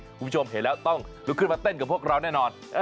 คุณผู้ชมเห็นแล้วต้องลุกขึ้นมาเต้นกับพวกเราแน่นอน